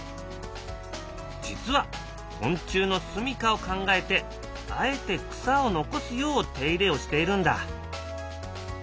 実は昆虫のすみかを考えてあえて草を残すよう手入れをしているんだ。